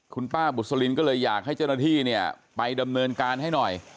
คุณป้าบุษลินก็เลยอยากให้เจ้าหน้าที่เนี่ยไปดำเนินการให้หน่อย